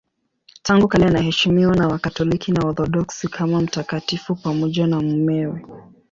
Tangu kale anaheshimiwa na Wakatoliki na Waorthodoksi kama mtakatifu pamoja na mumewe.